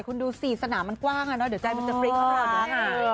คุณดูสิสนามมันกว้างอ่ะเนอะเดี๋ยวใจมันจะฟริกของเรานะ